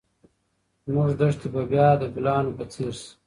زموږ دښتې به بیا د ګلانو په څېر شي.